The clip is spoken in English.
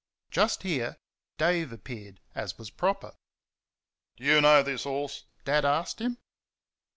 Just here Dave appeared, as was proper. "Do you know this horse?" Dad asked him.